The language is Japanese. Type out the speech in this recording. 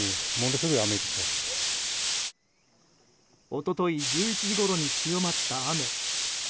一昨日１１時ごろに強まった雨。